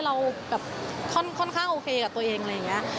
เราแบบค่อนข้างโอเคกับตัวเองอะไรอย่างนี้